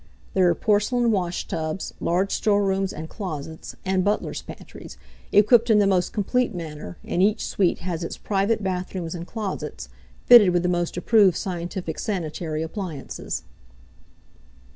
There are porcelain washtubs, large storerooms and closets, and butlers' pantries, equipped in the most complete manner, and each suite has its private bathrooms and closets, fitted with the most approved scientific sanitary appliances.